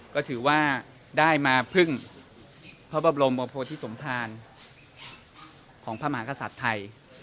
ก็ถือว่าได้มาพึ่งพระบรมโพธิสมภารของพระมหากษัตริย์ไทย